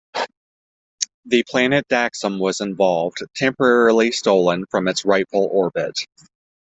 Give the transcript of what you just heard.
The planet Daxam was involved, temporarily stolen from its rightful orbit.